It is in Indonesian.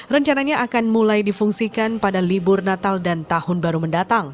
rencananya akan mulai difungsikan pada libur natal dan tahun baru mendatang